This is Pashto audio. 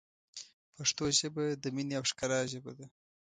پښتو ژبه ، د مینې او ښکلا ژبه ده.